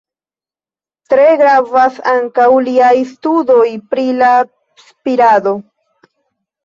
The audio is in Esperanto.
Tre gravas ankaŭ liaj studoj pri la spirado.